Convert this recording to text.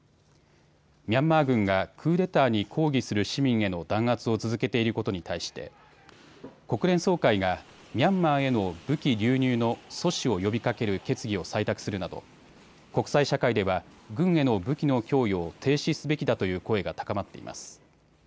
ミャンマー軍がクーデターに抗議する市民への弾圧を続けていることに対して国連総会がミャンマーへの武器流入の阻止を呼びかける決議を採択するなど国際社会では軍への武器の供与を停止すべきだという声が高まっています。